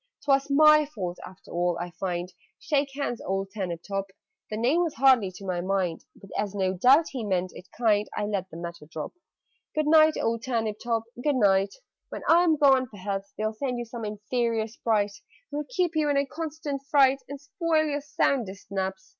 "'Twas my fault after all, I find Shake hands, old Turnip top!" The name was hardly to my mind, But, as no doubt he meant it kind, I let the matter drop. "Good night, old Turnip top, good night! When I am gone, perhaps They'll send you some inferior Sprite, Who'll keep you in a constant fright And spoil your soundest naps.